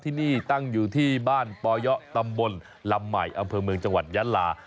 ที่นี่ตั้งอยู่ที่บ้านปยะตำบลลำใหม่อำเภอเมืองจังหวัดยะลา